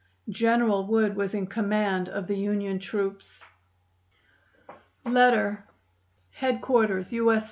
General Wood was in command of the Union troops: "Headquarters U. S.